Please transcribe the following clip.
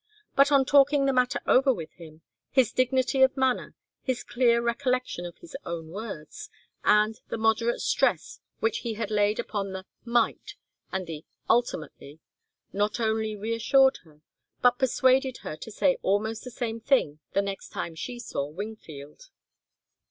But on talking the matter over with him, his dignity of manner, his clear recollection of his own words, and the moderate stress which he laid upon the 'might' and the 'ultimately,' not only reassured her, but persuaded her to say almost the same thing the next time she saw Wingfield.